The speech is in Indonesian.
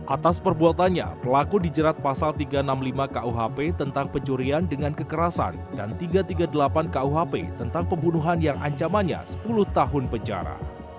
atas perbuatannya pelaku dijerat pasal tiga ratus enam puluh lima kuhp tentang pencurian dengan kekerasan dan tiga ratus tiga puluh delapan kuhp tentang pembunuhan yang ancamannya sepuluh tahun penjara